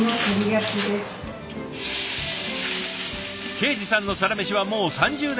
恵司さんのサラメシはもう３０年